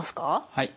はい。